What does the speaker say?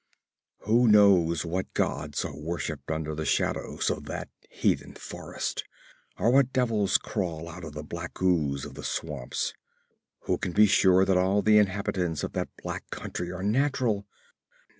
'Who knows what gods are worshipped under the shadows of that heathen forest, or what devils crawl out of the black ooze of the swamps? Who can be sure that all the inhabitants of that black country are natural?